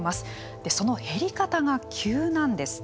その減り方が急なんです。